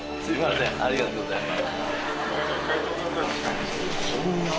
ありがとうございます。